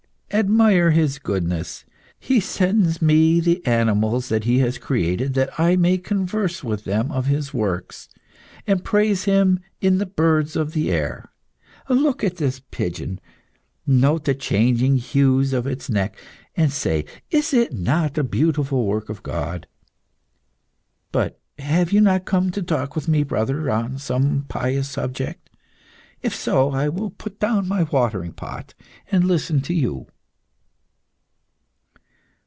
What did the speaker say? "Admire his goodness; He sends me the animals that He has created that I may converse with them of His works, and praise Him in the birds of the air. Look at this pigeon; note the changing hues of its neck, and say, is it not a beautiful work of God? But have you not come to talk with me, brother, on some pious subject? If so, I will put down my watering pot, and listen to you."